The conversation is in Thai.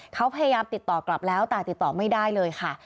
เขาพยายามติดต่อกลับแล้วแต่ติดต่อไม่ได้เลยค่ะ